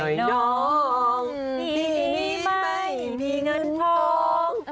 ทีนี้ไม่มีเงินทอง